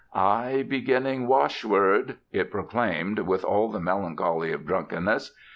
"I' beginning wash word," it proclaimed with all the melancholy of drunkenness.